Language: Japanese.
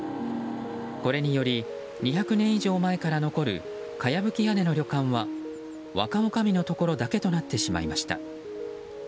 これにより２００年以上前から残るかやぶき屋根の旅館は若おかみのところだけとなってしまいました。